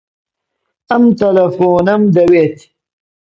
ئەم تەلەفۆنەم دەوێت.